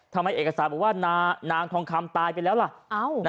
เอกสารบอกว่านางทองคำตายไปแล้วล่ะ